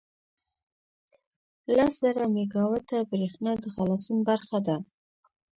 لس زره میګاوټه بریښنا د خلاصون برخه ده.